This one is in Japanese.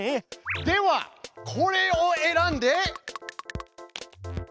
ではこれを選んで。